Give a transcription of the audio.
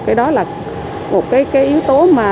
cái đó là một cái yếu tố